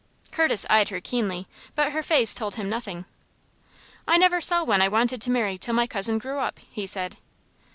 Curtis eyed her keenly, but her face told him nothing. "I never saw one I wanted to marry till my cousin grew up," he said.